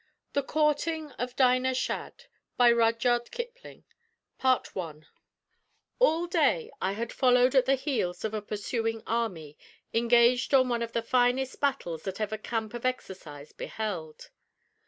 THE COURTING OF DINAH SHADD By RUDYARD KIPLING I All day I had followed at the heels of a pursuing army, engaged on one of the finest battles that ever camp of exercise beheld.